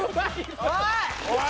おい！